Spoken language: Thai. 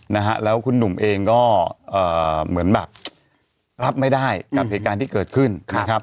นะฮะแล้วคุณหนุ่มเองก็เอ่อเหมือนแบบรับไม่ได้กับเหตุการณ์ที่เกิดขึ้นนะครับ